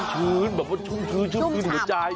ชื่นอยู่ในใจชุ่มชำช่วงช้ำจริง